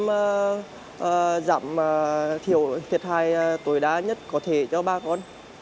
và giảm thiệt hại tối đa nhất có thể cho ba con